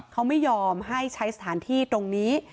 เขาไม่ยอมให้ใช้สถานที่ตรงนี้